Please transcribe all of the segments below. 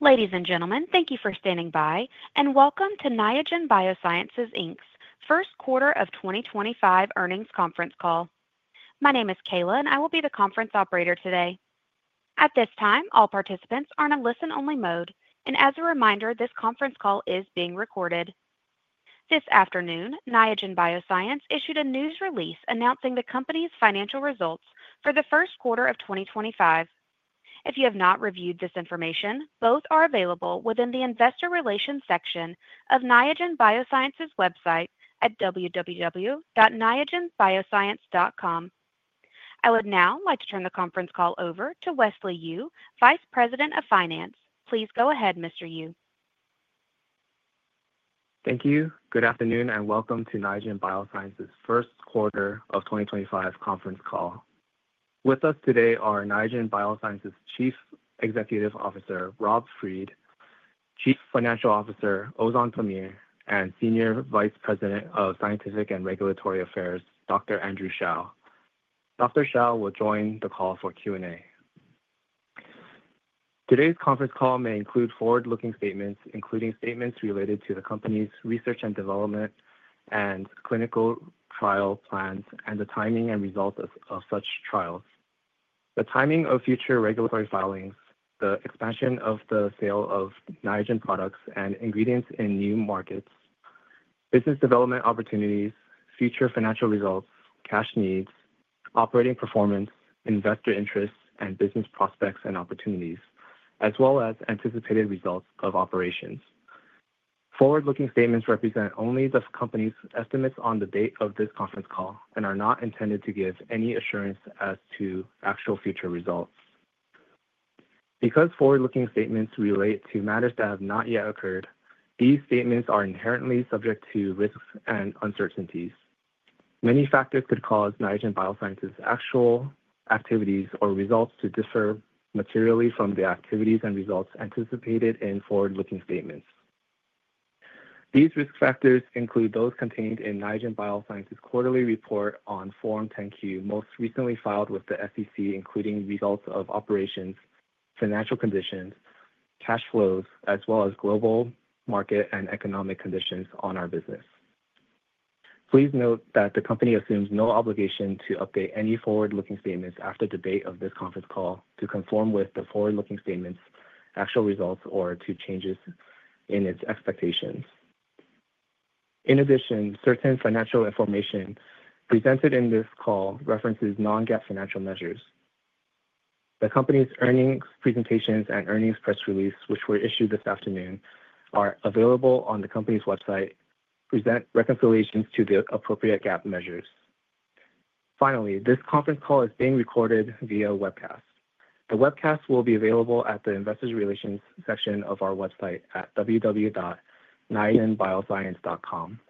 Ladies and gentlemen, thank you for standing by, and welcome to Niagen Bioscience's First Quarter of 2025 Earnings Conference Call. My name is Kayla, and I will be the conference operator today. At this time, all participants are in a listen-only mode, and as a reminder, this conference call is being recorded. This afternoon, Niagen Bioscience issued a news release announcing the company's financial results for the first quarter of 2025. If you have not reviewed this information, both are available within the investor relations section of Niagen Bioscience's website at www.niagenbioscience.com. I would now like to turn the conference call over to Wesley Yu, Vice President of Finance. Please go ahead, Mr. Yu. Thank you. Good afternoon, and welcome to Niagen Bioscience's First Quarter of 2025 Conference Call. With us today are Niagen Bioscience's Chief Executive Officer, Rob Fried, Chief Financial Officer, Ozan Pamir, and Senior Vice President of Scientific and Regulatory Affairs, Dr. Andrew Shao. Dr. Shao will join the call for Q&A. Today's conference call may include forward-looking statements, including statements related to the company's research and development and clinical trial plans, and the timing and results of such trials, the timing of future regulatory filings, the expansion of the sale of Niagen products and ingredients in new markets, business development opportunities, future financial results, cash needs, operating performance, investor interests, and business prospects and opportunities, as well as anticipated results of operations. Forward-looking statements represent only the company's estimates on the date of this conference call and are not intended to give any assurance as to actual future results. Because forward-looking statements relate to matters that have not yet occurred, these statements are inherently subject to risks and uncertainties. Many factors could cause Niagen Bioscience's actual activities or results to differ materially from the activities and results anticipated in forward-looking statements. These risk factors include those contained in Niagen Bioscience's quarterly report on Form 10-Q, most recently filed with the SEC, including results of operations, financial conditions, cash flows, as well as global market and economic conditions on our business. Please note that the company assumes no obligation to update any forward-looking statements after the date of this conference call to conform with the forward-looking statements' actual results or to changes in its expectations. In addition, certain financial information presented in this call references non-GAAP financial measures. The company's earnings presentations and earnings press release, which were issued this afternoon, are available on the company's website, presenting reconciliations to the appropriate GAAP measures. Finally, this conference call is being recorded via webcast. The webcast will be available at the investor relations section of our website at www.niagenbioscience.com.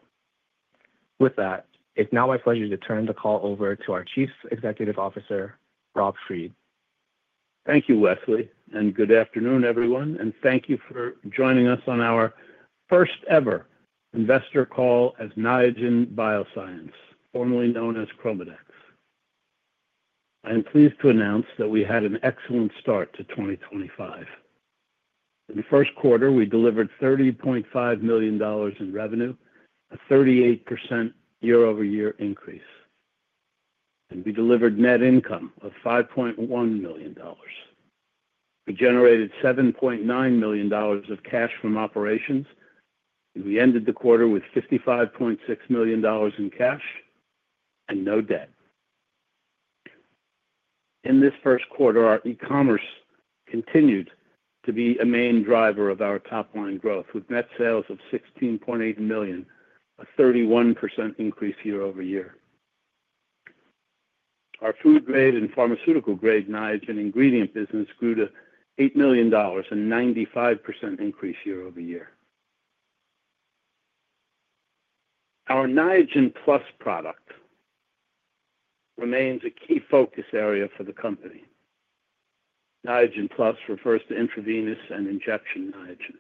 With that, it's now my pleasure to turn the call over to our Chief Executive Officer, Rob Fried. Thank you, Wesley, and good afternoon, everyone. Thank you for joining us on our first-ever investor call as Niagen Bioscience, formerly known as ChromaDex. I am pleased to announce that we had an excellent start to 2025. In the first quarter, we delivered $30.5 million in revenue, a 38% year-over-year increase. We delivered net income of $5.1 million. We generated $7.9 million of cash from operations, and we ended the quarter with $55.6 million in cash and no debt. In this first quarter, our e-commerce continued to be a main driver of our top-line growth, with net sales of $16.8 million, a 31% increase year-over-year. Our food-grade and pharmaceutical-grade Niagen ingredient business grew to $8 million and a 95% increase year-over-year. Our Niagen+ product remains a key focus area for the company. Niagen+ refers to intravenous and injection Niagen.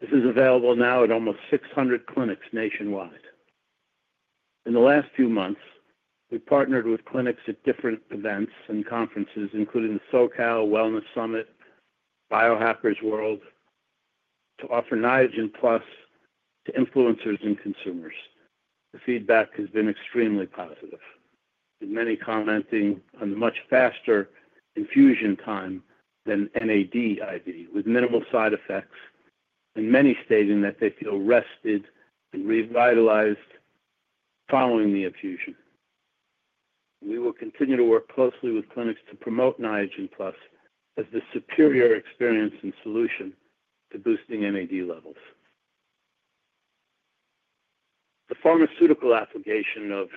This is available now at almost 600 clinics nationwide. In the last few months, we partnered with clinics at different events and conferences, including the SoCal Wellness Summit, Biohackers World, to offer Niagen+ to influencers and consumers. The feedback has been extremely positive, with many commenting on the much faster infusion time than NAD IV, with minimal side effects, and many stating that they feel rested and revitalized following the infusion. We will continue to work closely with clinics to promote Niagen+ as the superior experience and solution to boosting NAD levels. The pharmaceutical application of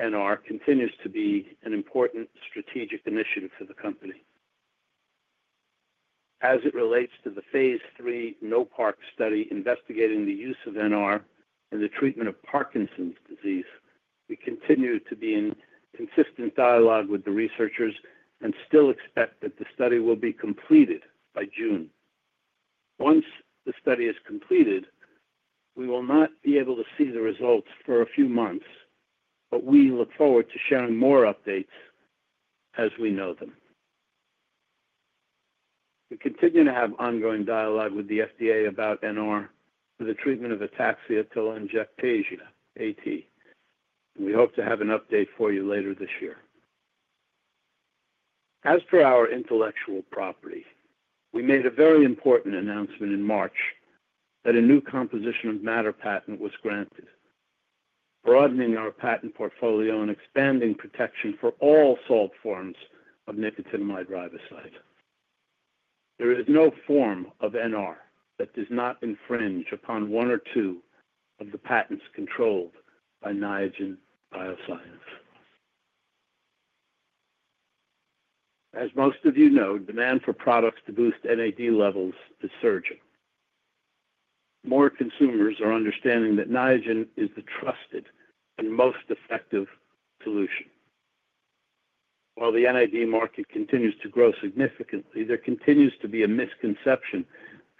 NR continues to be an important strategic initiative for the company. As it relates to the phase III NO-PARK study investigating the use of NR in the treatment of Parkinson's disease, we continue to be in consistent dialogue with the researchers and still expect that the study will be completed by June. Once the study is completed, we will not be able to see the results for a few months, but we look forward to sharing more updates as we know them. We continue to have ongoing dialogue with the FDA about NR for the treatment of Ataxia Telangiectasia, A-T. We hope to have an update for you later this year. As for our intellectual property, we made a very important announcement in March that a new composition of matter patent was granted, broadening our patent portfolio and expanding protection for all salt forms of nicotinamide riboside. There is no form of NR that does not infringe upon one or two of the patents controlled by Niagen Bioscience. As most of you know, demand for products to boost NAD levels is surging. More consumers are understanding that Niagen is the trusted and most effective solution. While the NAD market continues to grow significantly, there continues to be a misconception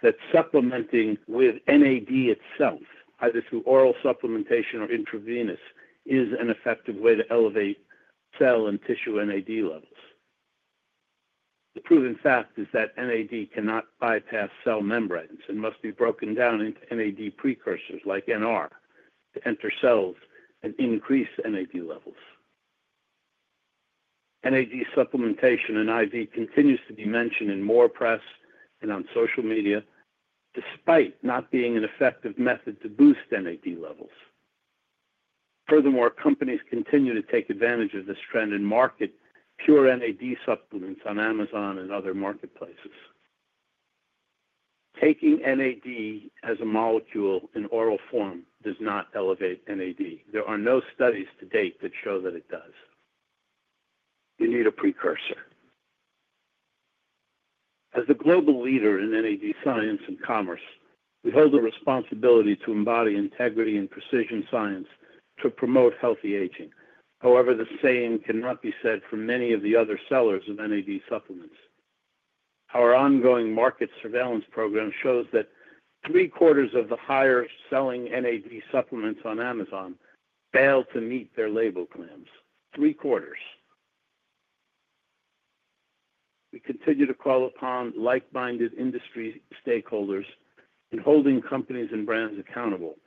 that supplementing with NAD itself, either through oral supplementation or intravenous, is an effective way to elevate cell and tissue NAD levels. The proven fact is that NAD cannot bypass cell membranes and must be broken down into NAD precursors like NR to enter cells and increase NAD levels. NAD supplementation and IV continues to be mentioned in more press and on social media, despite not being an effective method to boost NAD levels. Furthermore, companies continue to take advantage of this trend and market pure NAD supplements on Amazon and other marketplaces. Taking NAD as a molecule in oral form does not elevate NAD. There are no studies to date that show that it does. You need a precursor. As the global leader in NAD science and commerce, we hold a responsibility to embody integrity and precision science to promote healthy aging. However, the same cannot be said for many of the other sellers of NAD supplements. Our ongoing market surveillance program shows that 3/4 of the higher-selling NAD supplements on Amazon fail to meet their label claims. 3/4. We continue to call upon like-minded industry stakeholders in holding companies and brands accountable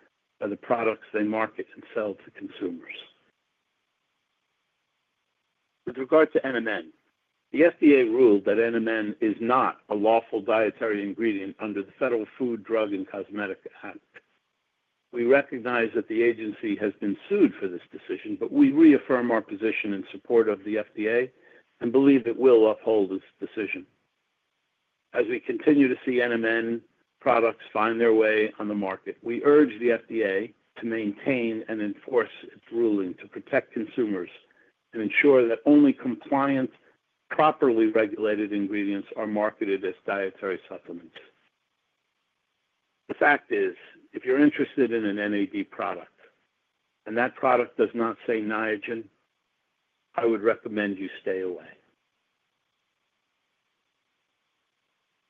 for the products they market and sell to consumers. With regard to NMN, the FDA ruled that NMN is not a lawful dietary ingredient under the Federal Food, Drug, and Cosmetic Act. We recognize that the agency has been sued for this decision, but we reaffirm our position in support of the FDA and believe it will uphold this decision. As we continue to see NMN products find their way on the market, we urge the FDA to maintain and enforce its ruling to protect consumers and ensure that only compliant, properly regulated ingredients are marketed as dietary supplements. The fact is, if you're interested in an NAD product and that product does not say Niagen, I would recommend you stay away.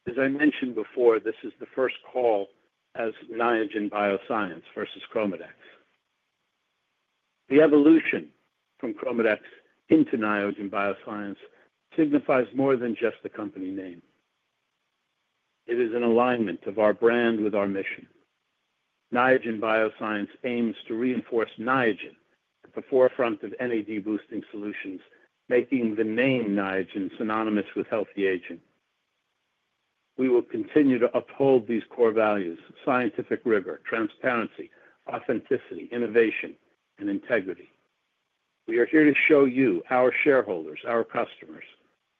As I mentioned before, this is the first call as Niagen Bioscience versus ChromaDex. The evolution from ChromaDex into Niagen Bioscience signifies more than just the company name. It is an alignment of our brand with our mission. Niagen Bioscience aims to reinforce Niagen at the forefront of NAD-boosting solutions, making the name Niagen synonymous with healthy aging. We will continue to uphold these core values: scientific rigor, transparency, authenticity, innovation, and integrity. We are here to show you, our shareholders, our customers,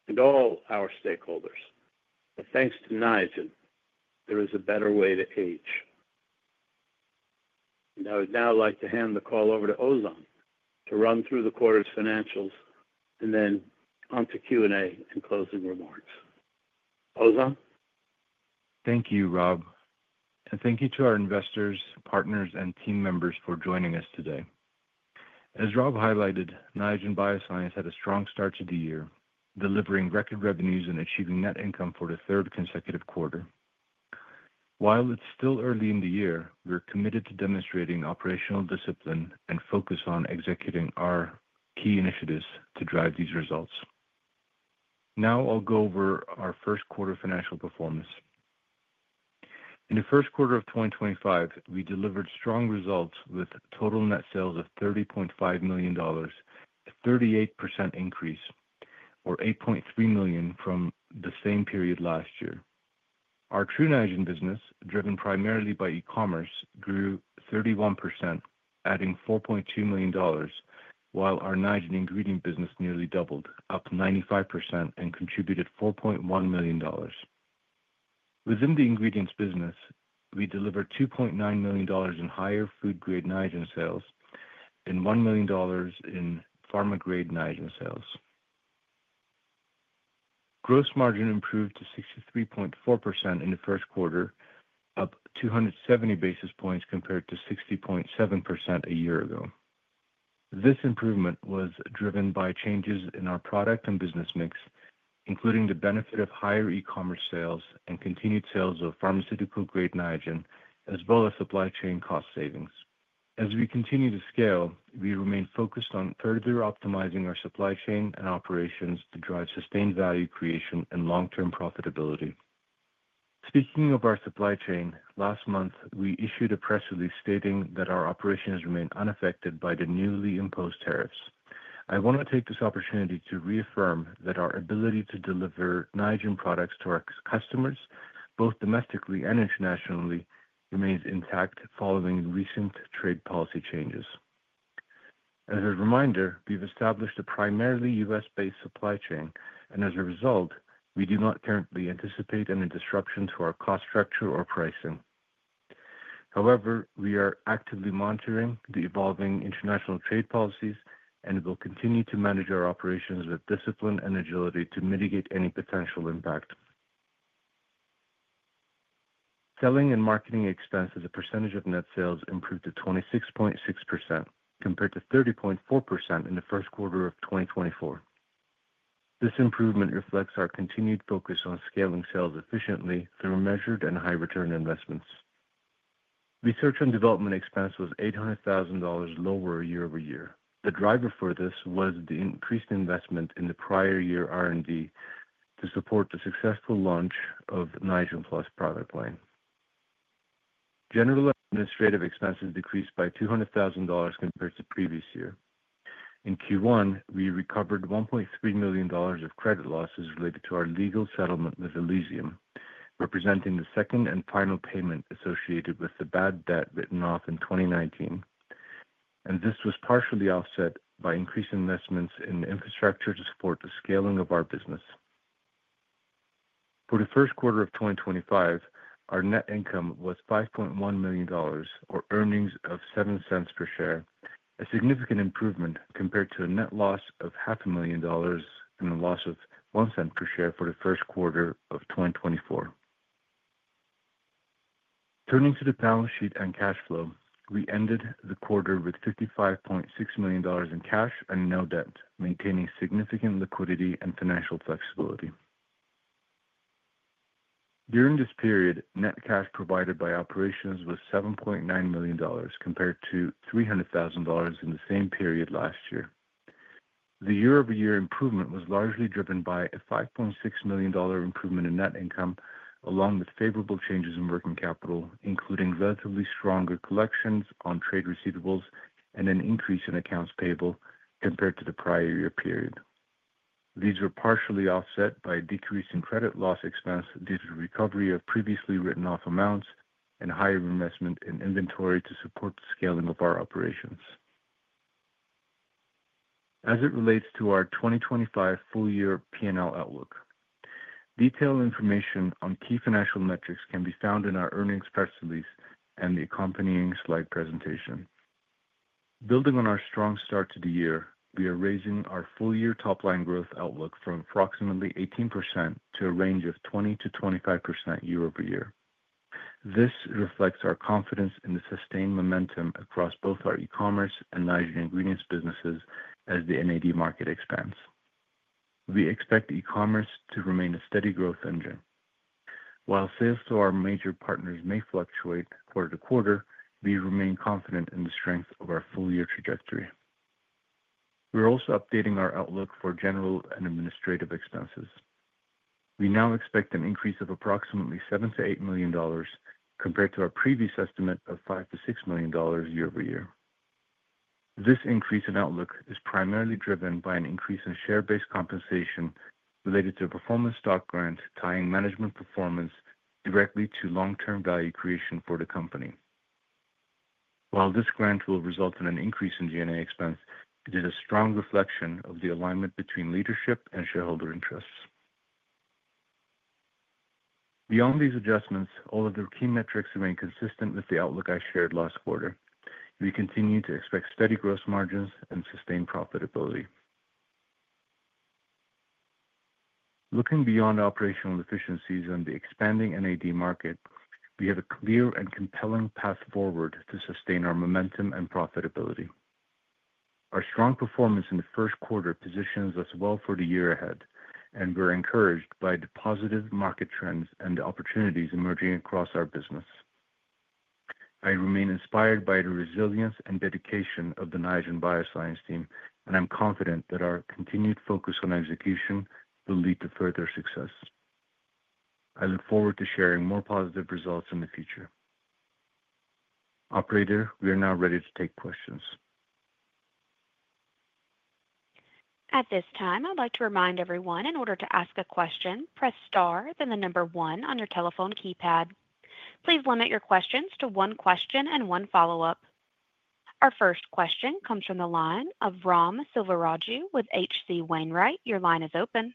and all our stakeholders that thanks to Niagen, there is a better way to age. I would now like to hand the call over to Ozan to run through the quarter's financials and then on to Q&A and closing remarks. Ozan? Thank you, Rob. Thank you to our investors, partners, and team members for joining us today. As Rob highlighted, Niagen Bioscience had a strong start to the year, delivering record revenues and achieving net income for the third consecutive quarter. While it's still early in the year, we're committed to demonstrating operational discipline and focus on executing our key initiatives to drive these results. Now I'll go over our first quarter financial performance. In the first quarter of 2025, we delivered strong results with total net sales of $30.5 million, a 38% increase, or $8.3 million from the same period last year. Our Tru Niagen business, driven primarily by e-commerce, grew 31%, adding $4.2 million, while our Niagen ingredient business nearly doubled, up 95%, and contributed $4.1 million. Within the ingredients business, we delivered $2.9 million in higher food-grade Niagen sales and $1 million in pharma-grade Niagen sales. Gross margin improved to 63.4% in the first quarter, up 270 basis points compared to 60.7% a year ago. This improvement was driven by changes in our product and business mix, including the benefit of higher e-commerce sales and continued sales of pharmaceutical-grade Niagen, as well as supply chain cost savings. As we continue to scale, we remain focused on further optimizing our supply chain and operations to drive sustained value creation and long-term profitability. Speaking of our supply chain, last month, we issued a press release stating that our operations remain unaffected by the newly imposed tariffs. I want to take this opportunity to reaffirm that our ability to deliver Niagen products to our customers, both domestically and internationally, remains intact following recent trade policy changes. As a reminder, we've established a primarily U.S.-based supply chain, and as a result, we do not currently anticipate any disruption to our cost structure or pricing. However, we are actively monitoring the evolving international trade policies and will continue to manage our operations with discipline and agility to mitigate any potential impact. Selling and marketing expenses as a percentage of net sales improved to 26.6% compared to 30.4% in the first quarter of 2024. This improvement reflects our continued focus on scaling sales efficiently through measured and high-return investments. Research and development expense was $800,000 lower year-over-year. The driver for this was the increased investment in the prior year R&D to support the successful launch of Niagen+ product line. General administrative expenses decreased by $200,000 compared to the previous year. In Q1, we recovered $1.3 million of credit losses related to our legal settlement with Elysium, representing the second and final payment associated with the bad debt written off in 2019. This was partially offset by increased investments in infrastructure to support the scaling of our business. For the first quarter of 2025, our net income was $5.1 million, or earnings of $0.07 per share, a significant improvement compared to a net loss of $500,000 and a loss of $0.01 per share for the first quarter of 2024. Turning to the balance sheet and cash flow, we ended the quarter with $55.6 million in cash and no debt, maintaining significant liquidity and financial flexibility. During this period, net cash provided by operations was $7.9 million compared to $300,000 in the same period last year. The year-over-year improvement was largely driven by a $5.6 million improvement in net income, along with favorable changes in working capital, including relatively stronger collections on trade receivables and an increase in accounts payable compared to the prior year period. These were partially offset by a decrease in credit loss expense due to the recovery of previously written-off amounts and higher investment in inventory to support the scaling of our operations. As it relates to our 2025 full-year P&L outlook, detailed information on key financial metrics can be found in our earnings press release and the accompanying slide presentation. Building on our strong start to the year, we are raising our full-year top-line growth outlook from approximately 18% to a range of 20%-25% year-over-year. This reflects our confidence in the sustained momentum across both our e-commerce and Niagen ingredient businesses as the NAD market expands. We expect e-commerce to remain a steady growth engine. While sales to our major partners may fluctuate quarter-to-quarter, we remain confident in the strength of our full-year trajectory. We are also updating our outlook for general and administrative expenses. We now expect an increase of approximately $7 million-$8 million compared to our previous estimate of $5 million-$6 million year-over-year. This increase in outlook is primarily driven by an increase in share-based compensation related to a performance stock grant tying management performance directly to long-term value creation for the company. While this grant will result in an increase in G&A expense, it is a strong reflection of the alignment between leadership and shareholder interests. Beyond these adjustments, all of the key metrics remain consistent with the outlook I shared last quarter. We continue to expect steady gross margins and sustained profitability. Looking beyond operational efficiencies on the expanding NAD market, we have a clear and compelling path forward to sustain our momentum and profitability. Our strong performance in the first quarter positions us well for the year ahead, and we're encouraged by the positive market trends and opportunities emerging across our business. I remain inspired by the resilience and dedication of the Niagen Bioscience team, and I'm confident that our continued focus on execution will lead to further success. I look forward to sharing more positive results in the future. Operator, we are now ready to take questions. At this time, I'd like to remind everyone, in order to ask a question, press star, then the number one on your telephone keypad. Please limit your questions to one question and one follow-up. Our first question comes from the line of Ram Selvaraju with H.C. Wainwright. Your line is open.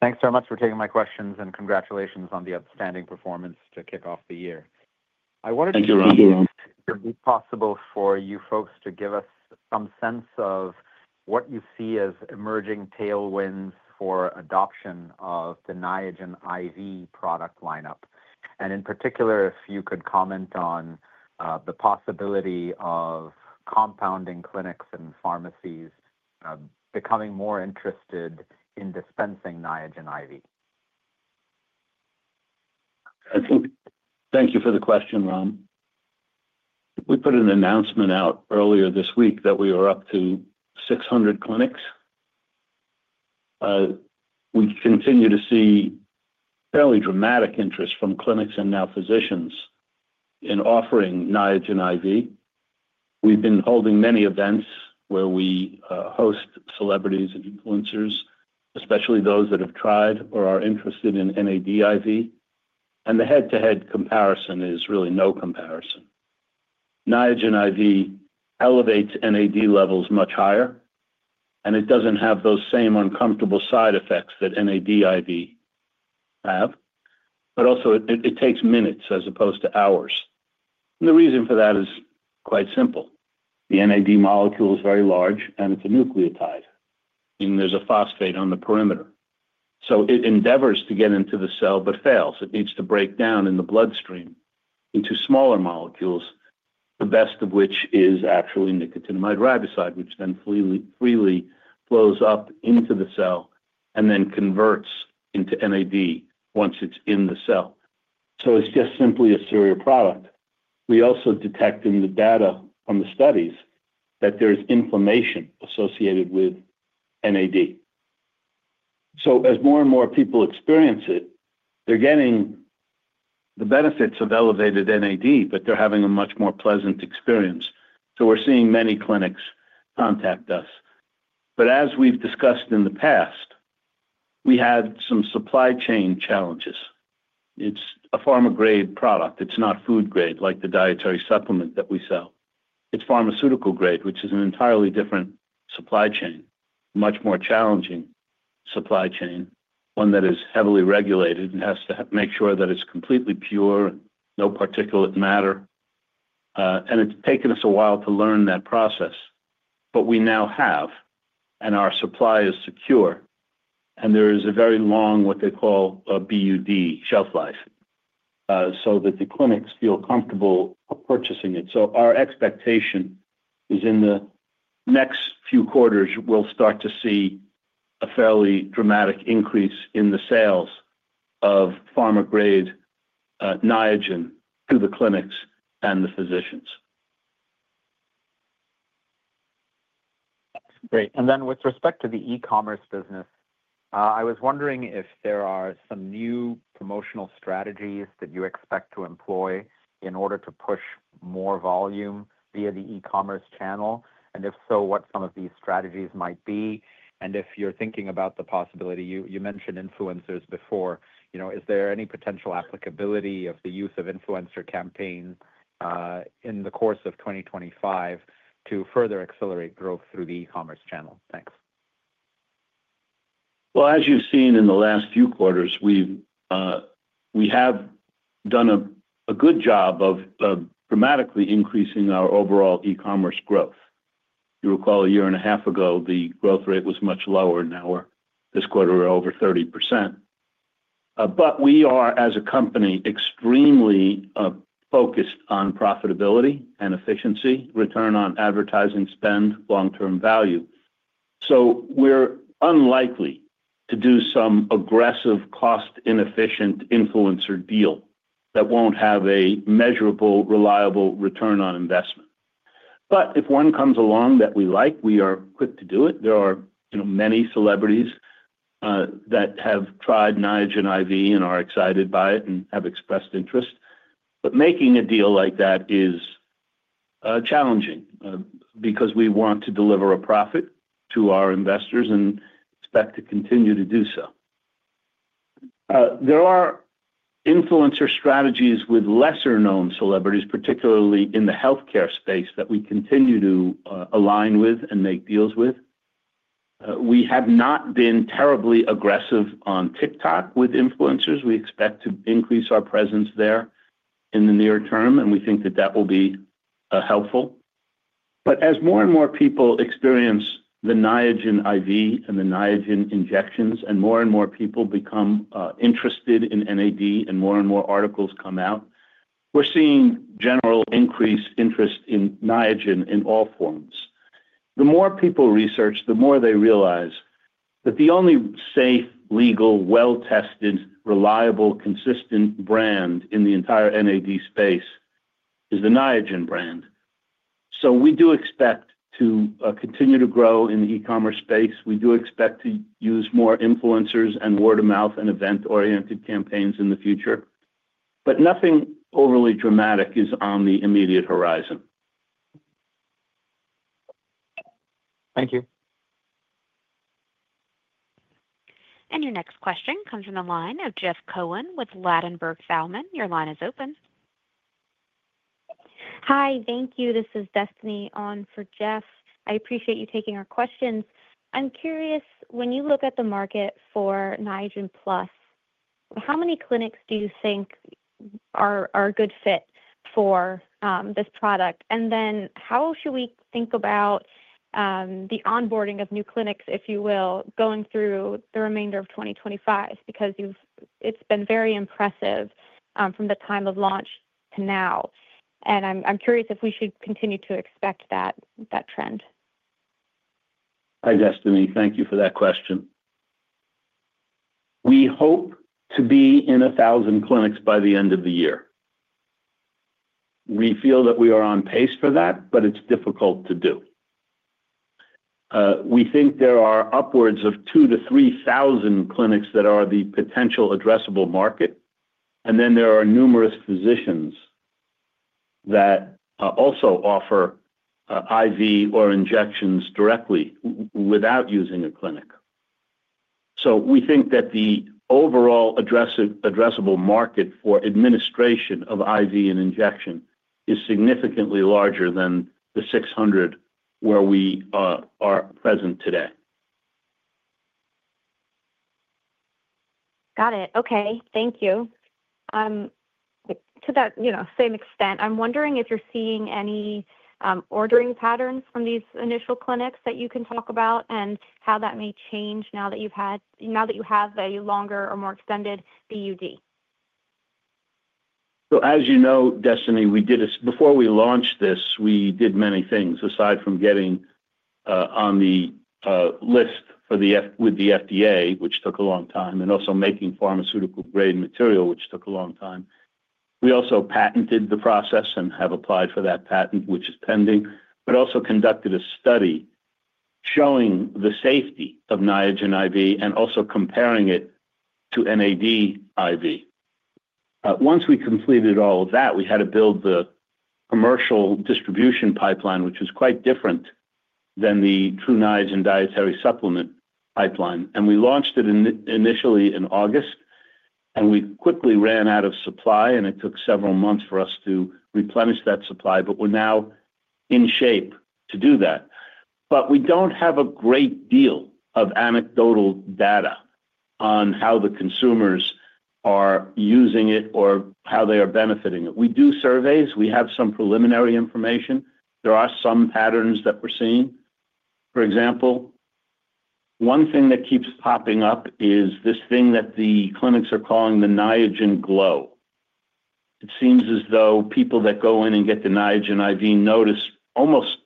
Thanks so much for taking my questions and congratulations on the outstanding performance to kick off the year. I wanted to. Thank you, Ram. See if it would be possible for you folks to give us some sense of what you see as emerging tailwinds for adoption of the Niagen IV product lineup. In particular, if you could comment on the possibility of compounding clinics and pharmacies becoming more interested in dispensing Niagen IV. Thank you for the question, Ram. We put an announcement out earlier this week that we were up to 600 clinics. We continue to see fairly dramatic interest from clinics and now physicians in offering Niagen IV. We have been holding many events where we host celebrities and influencers, especially those that have tried or are interested in NAD IV. The head-to-head comparison is really no comparison. Niagen IV elevates NAD levels much higher, and it does not have those same uncomfortable side effects that NAD IV has. It also takes minutes as opposed to hours. The reason for that is quite simple. The NAD molecule is very large, and it is a nucleotide. There is a phosphate on the perimeter. It endeavors to get into the cell but fails. It needs to break down in the bloodstream into smaller molecules, the best of which is actually nicotinamide riboside, which then freely flows up into the cell and then converts into NAD once it's in the cell. It's just simply a surreal product. We also detect in the data from the studies that there is inflammation associated with NAD. As more and more people experience it, they're getting the benefits of elevated NAD, but they're having a much more pleasant experience. We're seeing many clinics contact us. As we've discussed in the past, we had some supply chain challenges. It's a pharma-grade product. It's not food-grade like the dietary supplement that we sell. It's pharmaceutical-grade, which is an entirely different supply chain, much more challenging supply chain, one that is heavily regulated and has to make sure that it's completely pure, no particulate matter. It has taken us a while to learn that process, but we now have, and our supply is secure, and there is a very long, what they call a BUD, shelf life, so that the clinics feel comfortable purchasing it. Our expectation is in the next few quarters, we'll start to see a fairly dramatic increase in the sales of pharma-grade Niagen to the clinics and the physicians. Great. With respect to the e-commerce business, I was wondering if there are some new promotional strategies that you expect to employ in order to push more volume via the e-commerce channel. If so, what some of these strategies might be? If you're thinking about the possibility, you mentioned influencers before. Is there any potential applicability of the use of influencer campaigns in the course of 2025 to further accelerate growth through the e-commerce channel? Thanks. As you've seen in the last few quarters, we have done a good job of dramatically increasing our overall e-commerce growth. You'll recall a year and a half ago, the growth rate was much lower, and now we're this quarter over 30%. We are, as a company, extremely focused on profitability and efficiency, return on advertising spend, long-term value. We are unlikely to do some aggressive, cost-inefficient influencer deal that will not have a measurable, reliable return on investment. If one comes along that we like, we are quick to do it. There are many celebrities that have tried Niagen IV and are excited by it and have expressed interest. Making a deal like that is challenging because we want to deliver a profit to our investors and expect to continue to do so. There are influencer strategies with lesser-known celebrities, particularly in the healthcare space, that we continue to align with and make deals with. We have not been terribly aggressive on TikTok with influencers. We expect to increase our presence there in the near term, and we think that that will be helpful. As more and more people experience the Niagen IV and the Niagen injections, and more and more people become interested in NAD, and more and more articles come out, we're seeing general increased interest in Niagen in all forms. The more people research, the more they realize that the only safe, legal, well-tested, reliable, consistent brand in the entire NAD space is the Niagen brand. We do expect to continue to grow in the e-commerce space. We do expect to use more influencers and word-of-mouth and event-oriented campaigns in the future. Nothing overly dramatic is on the immediate horizon. Thank you. Your next question comes from the line of Jeff Cohen with Ladenburg Thalmann. Your line is open. Hi, thank you. This is Destiny on for Jeff. I appreciate you taking our questions. I'm curious, when you look at the market for Niagen+, how many clinics do you think are a good fit for this product? How should we think about the onboarding of new clinics, if you will, going through the remainder of 2025? It has been very impressive from the time of launch to now. I'm curious if we should continue to expect that trend. Hi, Destiny. Thank you for that question. We hope to be in 1,000 clinics by the end of the year. We feel that we are on pace for that, but it's difficult to do. We think there are upwards of 2,000-3,000 clinics that are the potential addressable market. There are numerous physicians that also offer IV or injections directly without using a clinic. We think that the overall addressable market for administration of IV and injection is significantly larger than the 600 where we are present today. Got it. Okay. Thank you. To that same extent, I'm wondering if you're seeing any ordering patterns from these initial clinics that you can talk about and how that may change now that you have a longer or more extended BUD. As you know, Destiny, before we launched this, we did many things aside from getting on the list with the FDA, which took a long time, and also making pharmaceutical-grade material, which took a long time. We also patented the process and have applied for that patent, which is pending, but also conducted a study showing the safety of Niagen IV and also comparing it to NAD IV. Once we completed all of that, we had to build the commercial distribution pipeline, which was quite different than the Tru Niagen dietary supplement pipeline. We launched it initially in August, and we quickly ran out of supply, and it took several months for us to replenish that supply. We are now in shape to do that. We do not have a great deal of anecdotal data on how the consumers are using it or how they are benefiting it. We do surveys. We have some preliminary information. There are some patterns that we're seeing. For example, one thing that keeps popping up is this thing that the clinics are calling the Niagen Glow. It seems as though people that go in and get the Niagen IV notice almost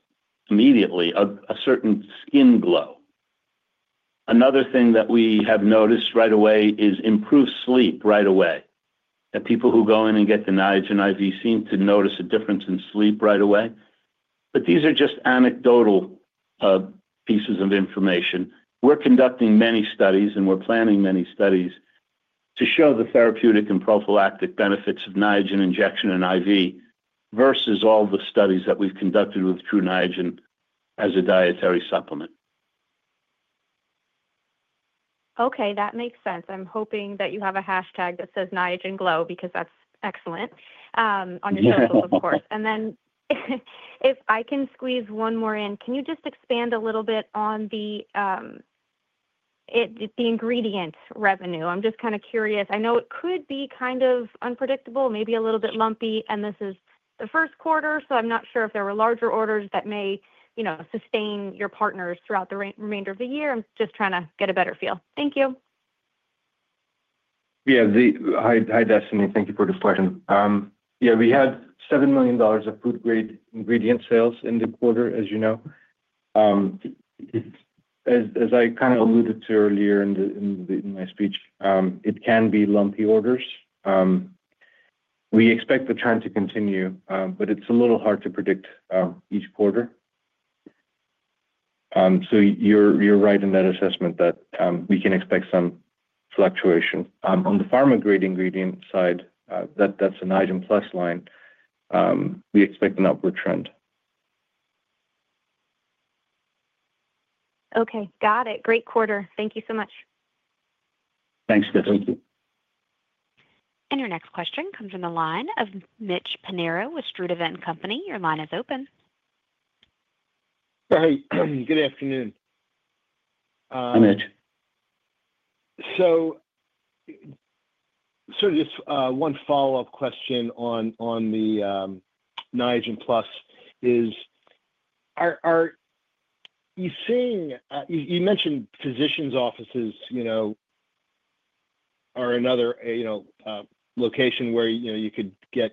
immediately a certain skin glow. Another thing that we have noticed right away is improved sleep right away. People who go in and get the Niagen IV seem to notice a difference in sleep right away. These are just anecdotal pieces of information. We're conducting many studies, and we're planning many studies to show the therapeutic and prophylactic benefits of Niagen injection and IV versus all the studies that we've conducted with Tru Niagen as a dietary supplement. Okay. That makes sense. I'm hoping that you have a hashtag that says Niagen Glow because that's excellent on your socials, of course. If I can squeeze one more in, can you just expand a little bit on the ingredient revenue? I'm just kind of curious. I know it could be kind of unpredictable, maybe a little bit lumpy, and this is the first quarter, so I'm not sure if there were larger orders that may sustain your partners throughout the remainder of the year. I'm just trying to get a better feel. Thank you. Yeah. Hi, Destiny. Thank you for the question. Yeah, we had $7 million of food-grade ingredient sales in the quarter, as you know. As I kind of alluded to earlier in my speech, it can be lumpy orders. We expect the trend to continue, but it's a little hard to predict each quarter. You're right in that assessment that we can expect some fluctuation. On the pharma-grade ingredient side, that's a Niagen+ line. We expect an upward trend. Okay. Got it. Great quarter. Thank you so much. Thanks, Destiny. Your next question comes from the line of Mitch Pinheiro with Sturdivant & Company. Your line is open. Hi. Good afternoon. Hi, Mitch. Just one follow-up question on the Niagen+ is you mentioned physicians' offices are another location where you could get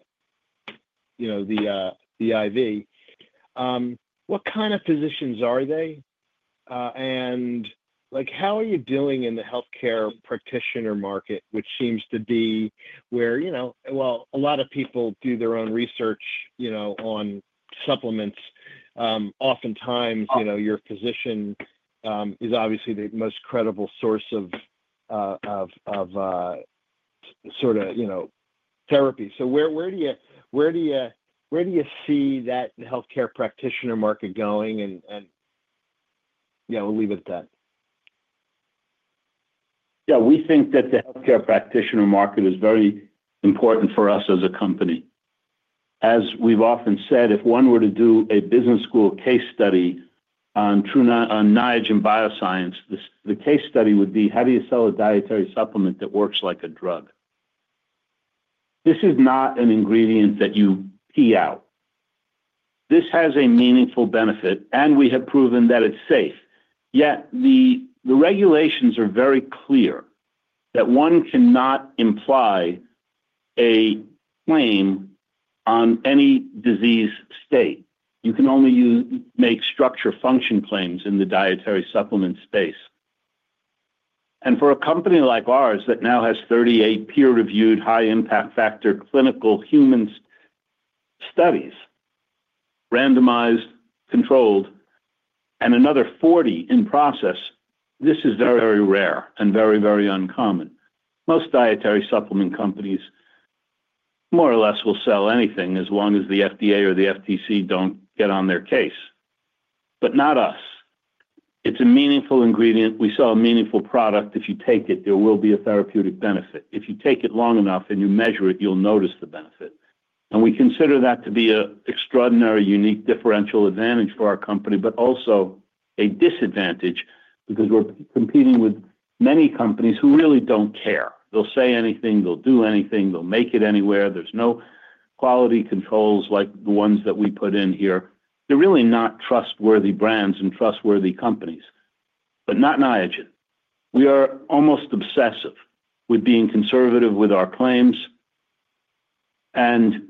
the IV. What kind of physicians are they? How are you doing in the healthcare practitioner market, which seems to be where a lot of people do their own research on supplements? Oftentimes, your physician is obviously the most credible source of sort of therapy. Where do you see that healthcare practitioner market going? Yeah, and i'll leave it at that. Yeah. We think that the healthcare practitioner market is very important for us as a company. As we've often said, if one were to do a business school case study on Niagen Bioscience, the case study would be, how do you sell a dietary supplement that works like a drug? This is not an ingredient that you pee out. This has a meaningful benefit, and we have proven that it's safe. Yet the regulations are very clear that one cannot imply a claim on any disease state. You can only make structure function claims in the dietary supplement space. For a company like ours that now has 38 peer-reviewed high-impact factor clinical human studies, randomized, controlled, and another 40 in process, this is very, very rare and very, very uncommon. Most dietary supplement companies more or less will sell anything as long as the FDA or the FTC do not get on their case. Not us. It is a meaningful ingredient. We sell a meaningful product. If you take it, there will be a therapeutic benefit. If you take it long enough and you measure it, you will notice the benefit. We consider that to be an extraordinary, unique differential advantage for our company, also a disadvantage because we are competing with many companies who really do not care. They will say anything. They will do anything. They will make it anywhere. There are no quality controls like the ones that we put in here. They are really not trustworthy brands and trustworthy companies, not Niagen. We are almost obsessive with being conservative with our claims and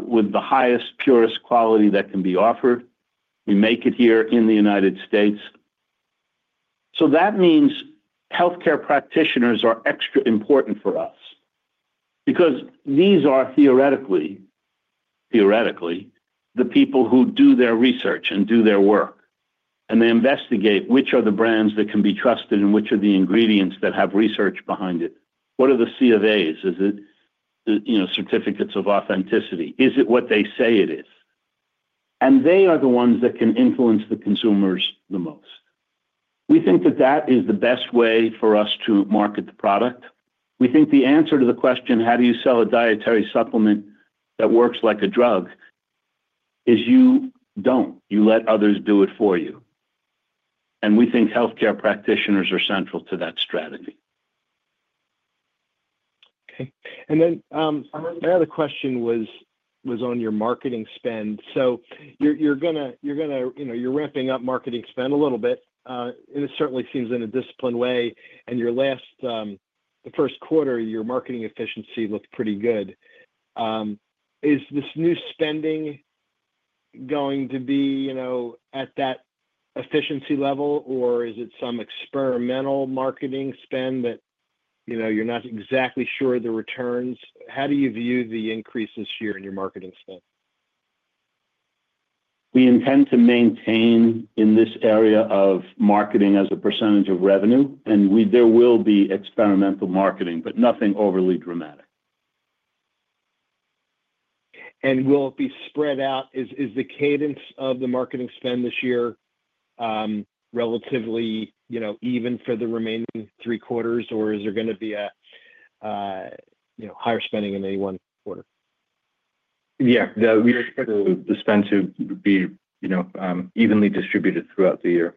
with the highest, purest quality that can be offered. We make it here in the United States. That means healthcare practitioners are extra important for us because these are theoretically the people who do their research and do their work, and they investigate which are the brands that can be trusted and which are the ingredients that have research behind it. What are the C of As? Is it certificates of authenticity? Is it what they say it is? They are the ones that can influence the consumers the most. We think that that is the best way for us to market the product. We think the answer to the question, how do you sell a dietary supplement that works like a drug, is you do not. You let others do it for you. We think healthcare practitioners are central to that strategy. Okay. And then my other question was on your marketing spend. You're ramping up marketing spend a little bit. It certainly seems in a disciplined way. In the first quarter, your marketing efficiency looked pretty good. Is this new spending going to be at that efficiency level, or is it some experimental marketing spend that you're not exactly sure of the returns? How do you view the increase this year in your marketing spend? We intend to maintain in this area of marketing as a percentage of revenue. There will be experimental marketing, but nothing overly dramatic. Will it be spread out? Is the cadence of the marketing spend this year relatively even for the remaining three quarters, or is there going to be a higher spending in any one quarter? Yeah. We expect the spend to be evenly distributed throughout the year.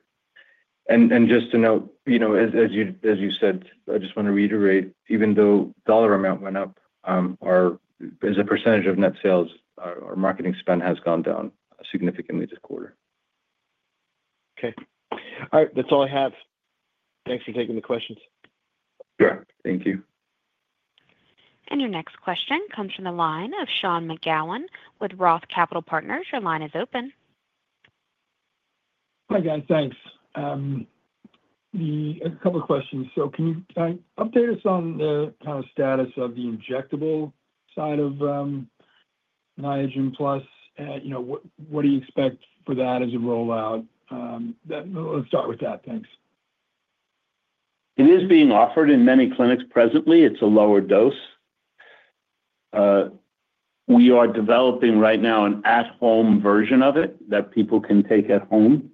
Just to note, as you said, I just want to reiterate, even though dollar amount went up, as a percentage of net sales, our marketing spend has gone down significantly this quarter. Okay. All right. That's all I have. Thanks for taking the questions. Sure. Thank you. Your next question comes from the line of Sean McGowan with ROTH Capital Partners. Your line is open. Hi, guys. Thanks. A couple of questions. Can you update us on the kind of status of the injectable side of Niagen+? What do you expect for that as a rollout? Let's start with that. Thanks. It is being offered in many clinics presently. It's a lower dose. We are developing right now an at-home version of it that people can take at home.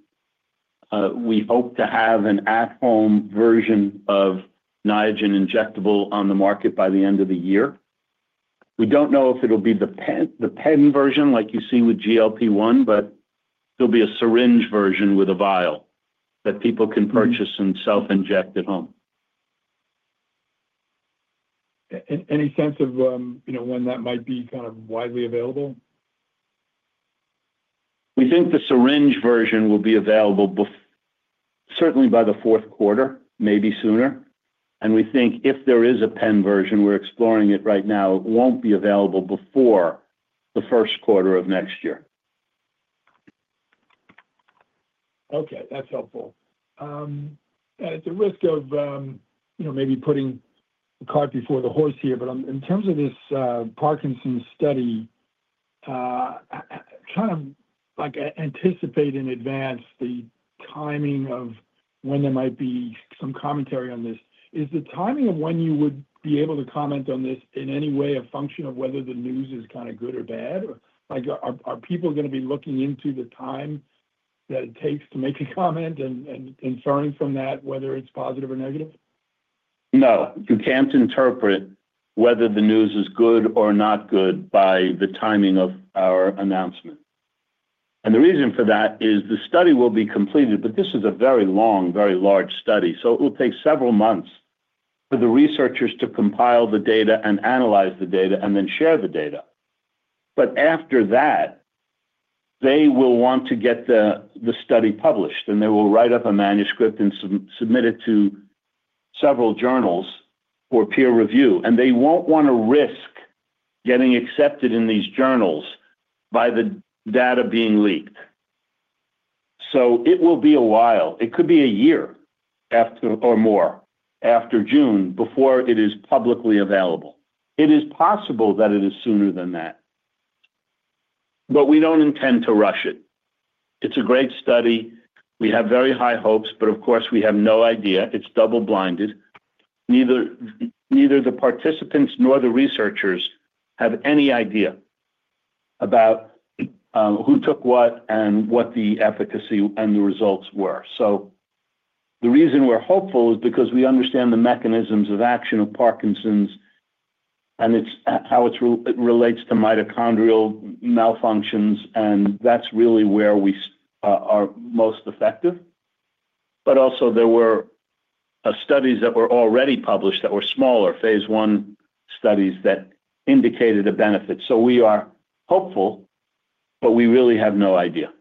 We hope to have an at-home version of Niagen injectable on the market by the end of the year. We don't know if it'll be the pen version like you see with GLP-1, but there'll be a syringe version with a vial that people can purchase and self-inject at home. Any sense of when that might be kind of widely available? We think the syringe version will be available certainly by the fourth quarter, maybe sooner. We think if there is a pen version, we're exploring it right now, it won't be available before the first quarter of next year. Okay. That's helpful. At the risk of maybe putting the cart before the horse here, but in terms of this Parkinson's study, trying to anticipate in advance the timing of when there might be some commentary on this, is the timing of when you would be able to comment on this in any way a function of whether the news is kind of good or bad? Are people going to be looking into the time that it takes to make a comment and inferring from that whether it's positive or negative? No. You can't interpret whether the news is good or not good by the timing of our announcement. The reason for that is the study will be completed, but this is a very long, very large study. It will take several months for the researchers to compile the data and analyze the data and then share the data. After that, they will want to get the study published, and they will write up a manuscript and submit it to several journals for peer review. They won't want to risk getting accepted in these journals by the data being leaked. It will be a while. It could be a year or more after June before it is publicly available. It is possible that it is sooner than that. We don't intend to rush it. It's a great study. We have very high hopes, but of course, we have no idea. It's double-blinded. Neither the participants nor the researchers have any idea about who took what and what the efficacy and the results were. The reason we're hopeful is because we understand the mechanisms of action of Parkinson's and how it relates to mitochondrial malfunctions, and that's really where we are most effective. Also, there were studies that were already published that were smaller, phase I studies that indicated a benefit. We are hopeful, but we really have no idea.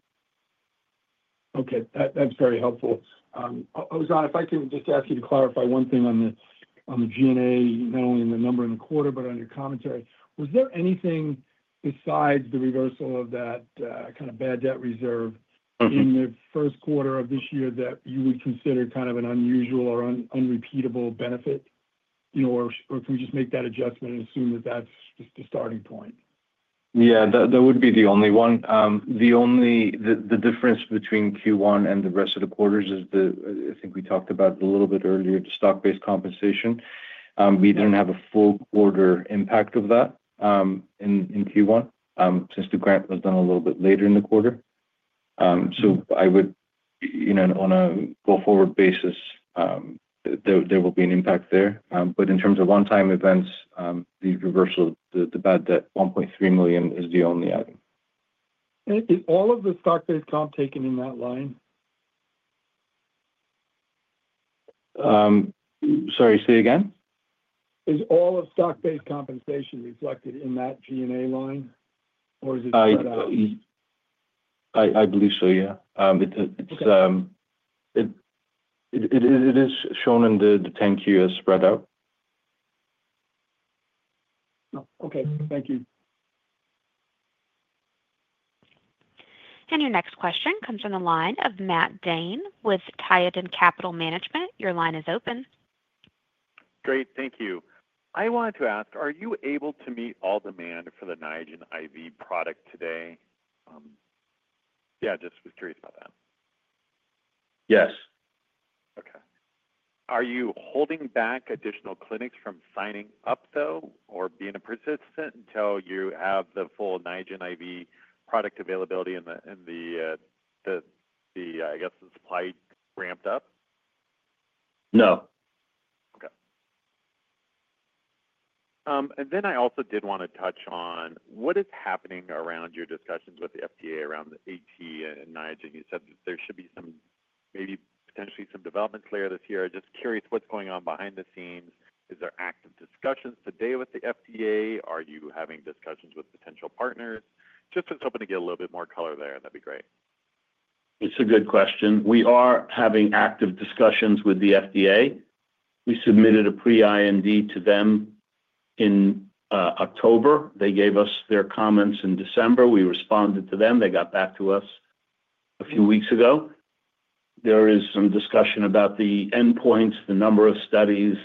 Okay. That's very helpful. Ozan, if I can just ask you to clarify one thing on the G&A, not only in the number in the quarter, but on your commentary. Was there anything besides the reversal of that kind of bad debt reserve in the first quarter of this year that you would consider kind of an unusual or unrepeatable benefit? Or can we just make that adjustment and assume that that's just the starting point? Yeah. That would be the only one. The difference between Q1 and the rest of the quarters is the, I think we talked about a little bit earlier, the stock-based compensation. We did not have a full quarter impact of that in Q1 since the grant was done a little bit later in the quarter. On a go-forward basis, there will be an impact there. In terms of one-time events, the reversal of the bad debt, $1.3 million is the only item. Is all of the stock-based comp taken in that line? Sorry. Say again? Is all of stock-based compensation reflected in that G&A line, or is it spread out? I believe so, yeah. It is shown in the 10-Q as spread out. Okay. Thank you. Your next question comes from the line of Matt Dhane with Tieton Capital Management. Your line is open. Great. Thank you. I wanted to ask, are you able to meet all demand for the Niagen IV product today? Yeah. Just was curious about that. Yes. Okay. Are you holding back additional clinics from signing up, though, or being persistent until you have the full Niagen IV product availability and the, I guess, supply ramped up? No. Okay. I also did want to touch on what is happening around your discussions with the FDA around the AT and Niagen. You said that there should be maybe potentially some development later this year. I'm just curious what's going on behind the scenes. Is there active discussions today with the FDA? Are you having discussions with potential partners? Just was hoping to get a little bit more color there. That'd be great. It's a good question. We are having active discussions with the FDA. We submitted a pre-IND to them in October. They gave us their comments in December. We responded to them. They got back to us a few weeks ago. There is some discussion about the endpoints, the number of studies,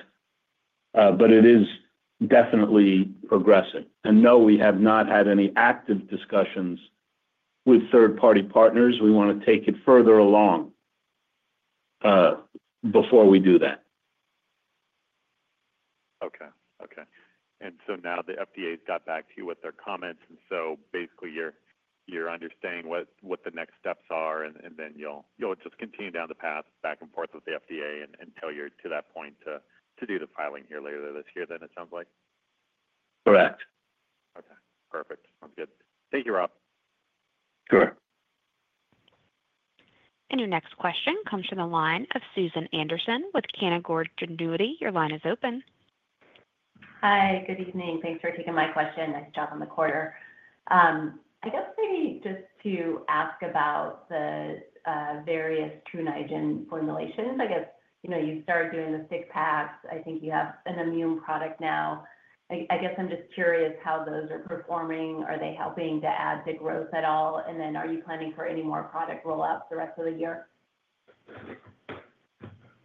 but it is definitely progressing. No, we have not had any active discussions with third-party partners. We want to take it further along before we do that. Okay. Okay. Now the FDA's got back to you with their comments. Basically, you're understanding what the next steps are, and you'll just continue down the path back-and-forth with the FDA until you're to that point to do the filing here later this year, it sounds like? Correct. Okay. Perfect. Sounds good. Thank you, Rob. Sure. Your next question comes from the line of Susan Anderson with Canaccord Genuity. Your line is open. Hi. Good evening. Thanks for taking my question. Nice job on the quarter. I guess maybe just to ask about the various Tru Niagen formulations. I guess you started doing the stick packs. I think you have an immune product now. I guess I'm just curious how those are performing. Are they helping to add to growth at all? Are you planning for any more product rollouts the rest of the year?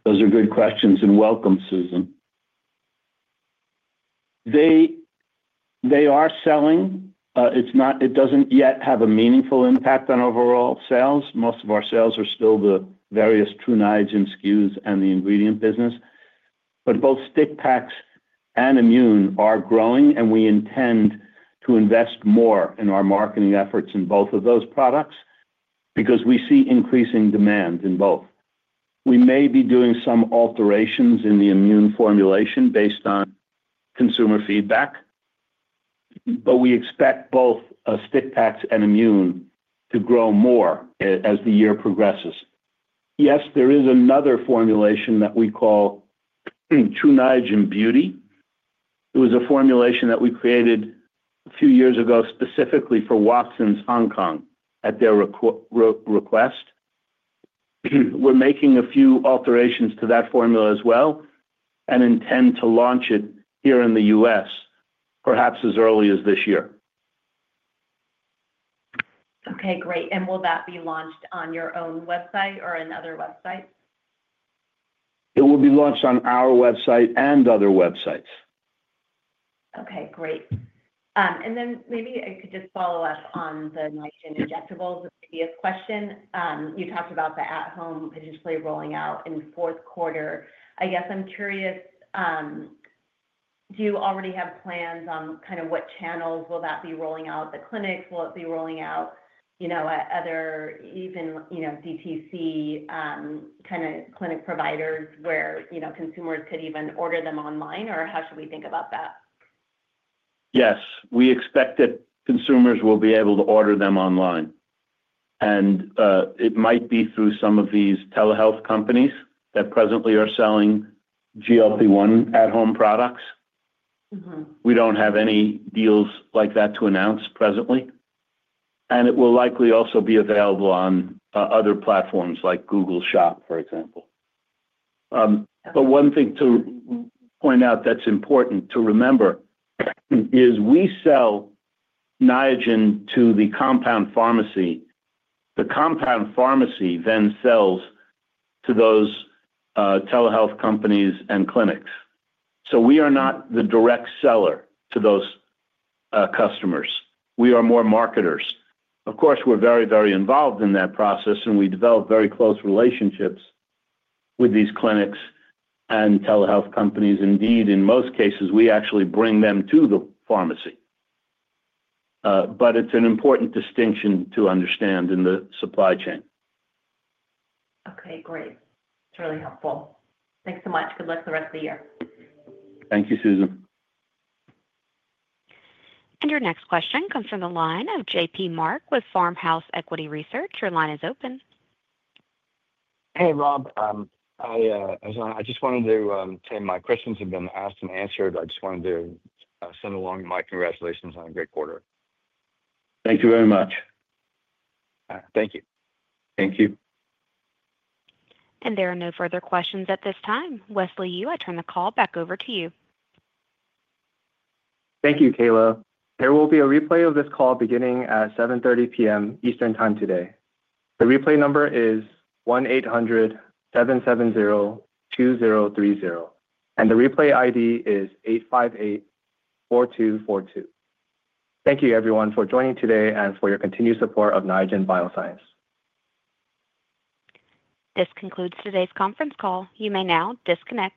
Those are good questions. Welcome, Susan. They are selling. It does not yet have a meaningful impact on overall sales. Most of our sales are still the various Tru Niagen SKUs and the ingredient business. Both stick packs and Immune are growing, and we intend to invest more in our marketing efforts in both of those products because we see increasing demand in both. We may be doing some alterations in the Immune formulation based on consumer feedback, but we expect both stick packs and Immune to grow more as the year progresses. Yes, there is another formulation that we call Tru Niagen Beauty. It was a formulation that we created a few years ago specifically for Watsons Hong Kong at their request. We are making a few alterations to that formula as well and intend to launch it here in the United States, perhaps as early as this year. Okay. Great. Will that be launched on your own website or another website? It will be launched on our website and other websites. Okay. Great. Maybe I could just follow up on the Niagen injectables with a question. You talked about the at-home potentially rolling out in the fourth quarter. I guess I'm curious, do you already have plans on kind of what channels will that be rolling out? The clinics? Will it be rolling out at other even DTC kind of clinic providers where consumers could even order them online? How should we think about that? Yes. We expect that consumers will be able to order them online. It might be through some of these telehealth companies that presently are selling GLP-1 at-home products. We do not have any deals like that to announce presently. It will likely also be available on other platforms like Google Shop, for example. One thing to point out that is important to remember is we sell Niagen to the compound pharmacy. The compound pharmacy then sells to those telehealth companies and clinics. We are not the direct seller to those customers. We are more marketers. Of course, we are very, very involved in that process, and we develop very close relationships with these clinics and telehealth companies. Indeed, in most cases, we actually bring them to the pharmacy. It is an important distinction to understand in the supply chain. Okay. Great. That's really helpful. Thanks so much. Good luck the rest of the year. Thank you, Susan. Your next question comes from the line of JP Mark with Farmhouse Equity Research. Your line is open. Hey, Rob. I just wanted to say my questions have been asked and answered. I just wanted to send along my congratulations on a great quarter. Thank you very much. Thank you. Thank you. There are no further questions at this time. Wesley, you, I turn the call back over to you. Thank you, Kayla. There will be a replay of this call beginning at 7:30 P.M. Eastern Time today. The replay number is 1-800-770-2030. The replay ID is 858-4242. Thank you, everyone, for joining today and for your continued support of Niagen Bioscience. This concludes today's conference call. You may now disconnect.